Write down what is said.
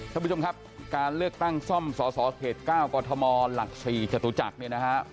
ท่านผู้ชมครับการเลือกตั้งซ่อมสอสอเขต๙กมหลัก๔จตุจักร